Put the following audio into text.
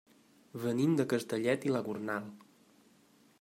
Venim de Castellet i la Gornal.